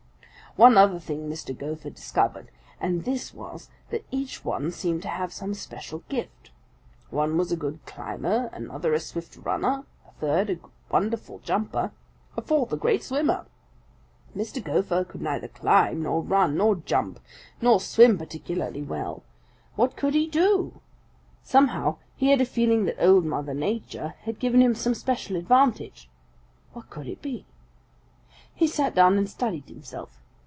"One other thing Mr. Gopher discovered, and this was that each one seemed to have some special gift. One was a good climber, another a swift runner, a third a wonderful jumper, a fourth a great swimmer. Mr. Gopher could neither climb, nor run, nor jump, nor swim particularly well. What could he do? Somehow he had a feeling that Old Mother Nature had given him some special advantage. What could it be? He sat down and studied himself.